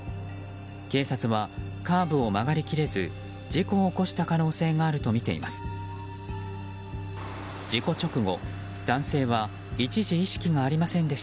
警察はカーブを曲がり切れず事故を起こした可能性があるとみています。